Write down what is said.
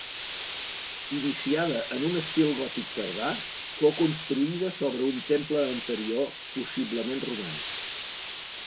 Iniciada en un estil gòtic tardà, fou construïda sobre un temple anterior, possiblement romànic.